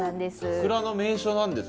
桜の名所なんですね。